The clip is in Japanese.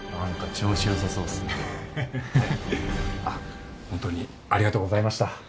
あっ本当にありがとうございました。